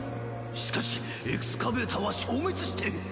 しかしＥＸカベーターは消滅して。